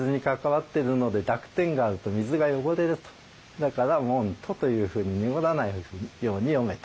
だから「もんと」というふうに濁らないように読めと。